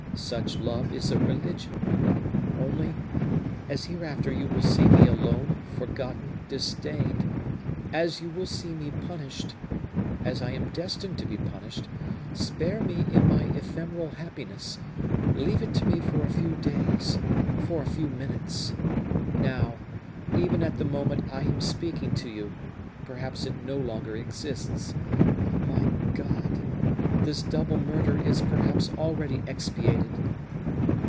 Such love is a religion. Only, as hereafter you will see me alone, forgotten, disdained; as you will see me punished, as I am destined to be punished, spare me in my ephemeral happiness, leave it to me for a few days, for a few minutes. Now, even at the moment I am speaking to you, perhaps it no longer exists. My God! this double murder is perhaps already expiated!"